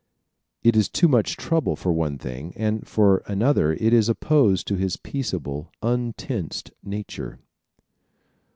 It is too much trouble, for one thing, and for another it is opposed to his peaceable, untensed nature.